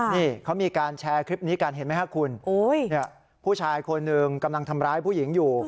นี่เขามีการแชร์คลิปนี้กันเห็นไหมครับคุณผู้ชายคนหนึ่งกำลังทำร้ายผู้หญิงอยู่